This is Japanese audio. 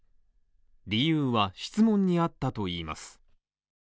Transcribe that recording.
理由は、質問にあったといいます。